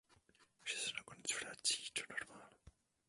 Vše se nakonec vrací do normálu.